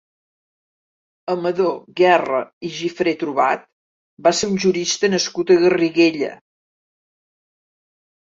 Amador Guerra i Gifre-Trobat va ser un jurista nascut a Garriguella.